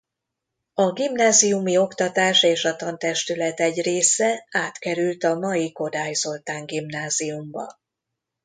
A gimnáziumi oktatás és a tantestület egy része átkerült a mai Kodály Zoltán Gimnáziumba.